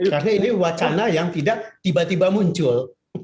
karena ini wacana yang tidak tiba tiba muncul